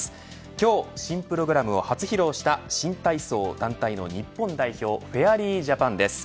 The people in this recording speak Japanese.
今日、新プログラムを初披露した新体操団体の日本代表フェアリージャパンです。